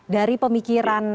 dari pemikiran pak azumati